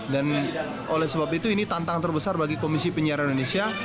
dan oleh sebab itu ini tantang terbesar bagi komisi penyiaran indonesia